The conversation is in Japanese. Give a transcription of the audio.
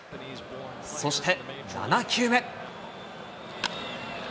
そして７球目。